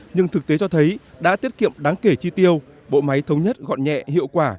nhưng thực tế cho thấy đã tiết kiệm đáng kể chi tiêu bộ máy thống nhất gọn nhẹ hiệu quả